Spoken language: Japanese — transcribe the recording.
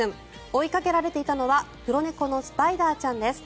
追いかけられていたのは黒猫のスパイダーちゃんです。